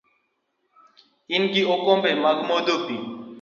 Ingi okombe mag modho pi?